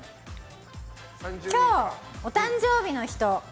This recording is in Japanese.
今日、お誕生日の人！